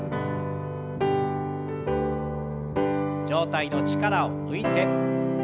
上体の力を抜いて。